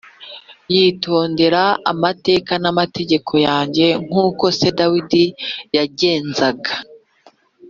bitondera amateka n’amategeko yanjye nk’uko se Dawidi yagenzaga